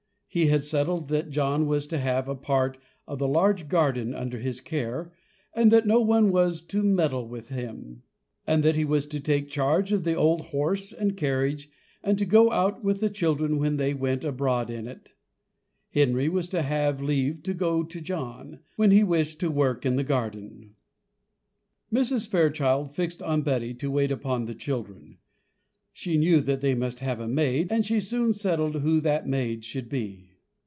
He had settled that John was to have a part of the large garden under his care, and that no one was to meddle with him; and that he was to take charge of the old horse and carriage, and to go out with the children when they went abroad in it. Henry was to have leave to go to John, when he wished to work in the garden. Mrs. Fairchild fixed on Betty to wait upon the children; she knew that they must have a maid, and she soon settled who that maid should be.